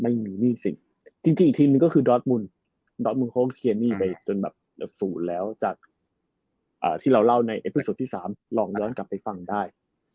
จริงทีมนี้ก็คือดอสบุลดอสบุลเขาเข้าขึ้นขึ้นไปจนแบบศูนย์แล้วจากที่เราเล่าในอัปดาห์๓ลองย้อนกลับไปฟังได้